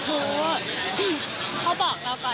อืมยังไง